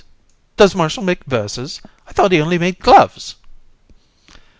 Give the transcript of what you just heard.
Does Martial make verses? I thought he only made gloves.